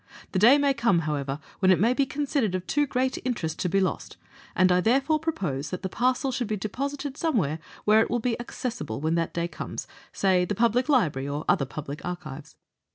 The day may come, how ever, when it may be considered of too great interest to be lost, and I therefore propose that the parcel should be deposited somewhere where it will be accessible when that day comes, say the Public Library or other public archives.